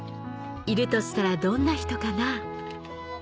いるとしたらどんな人かな？